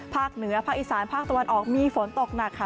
เหนือภาคอีสานภาคตะวันออกมีฝนตกหนักค่ะ